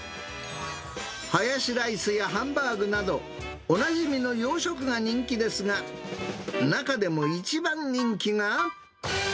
ハヤシライスやハンバーグなど、おなじみの洋食が人気ですが、中でも一番人気が。